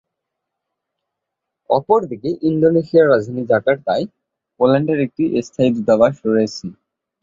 অপরদিকে ইন্দোনেশিয়ার রাজধানী জাকার্তায়, পোল্যান্ডের একটি স্থায়ী দূতাবাস রয়েছে।